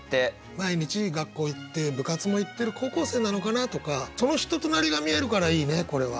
毎日学校行って部活も行ってる高校生なのかなとかその人となりが見えるからいいねこれは。